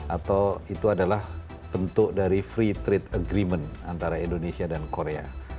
atau itu adalah bentuk dari free trade agreement antara indonesia dan korea